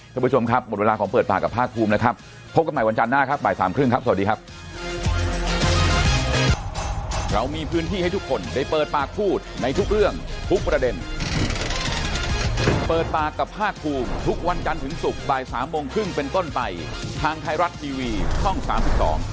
ท่านผู้ชมครับหมดเวลาของเปิดปากกับภาคภูมินะครับพบกันใหม่วันจันทร์หน้าครับบ่ายสามครึ่งครับสวัสดีครับ